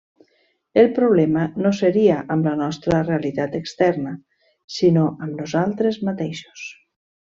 El problema no seria amb la nostra realitat externa sinó amb nosaltres mateixos.